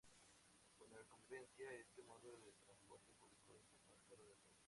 Por la conveniencia, este modo de transporte público es el más caro de todos.